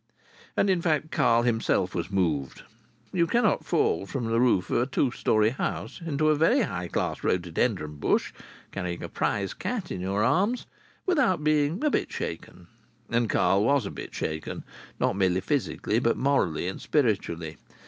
And in fact Carl himself was moved. You cannot fall from the roof of a two story house into a very high class rhododendron bush, carrying a prize cat in your arms, without being a bit shaken. And Carl was a bit shaken, not merely physically, but morally and spiritually.